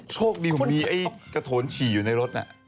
โชคดีเหมือนมีไอ้กระโถนฉี่อยู่ในรถน่ะ